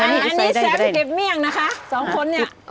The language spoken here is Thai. อันนี้แซมเก็บเมี่ยงนะคะสองคนเนี่ย